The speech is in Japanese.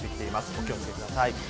お気を付けください。